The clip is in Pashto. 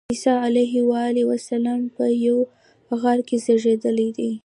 عیسی علیه السلام په یوه غار کې زېږېدلی دی.